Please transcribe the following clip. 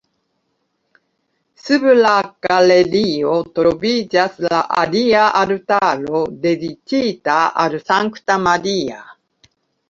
Sub la galerio troviĝas la alia altaro dediĉita al Sankta Maria.